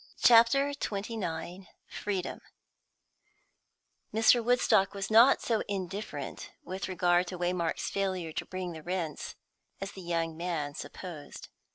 CHAPTER XXIX FREEDOM Mr. Woodstock was not so indifferent with regard to Waymark's failure to bring the rents as the young man supposed.